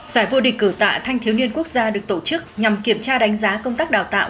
giải vô địch cử tạ thanh thiếu niên quốc gia được tổ chức nhằm kiểm tra đánh giá công tác đào tạo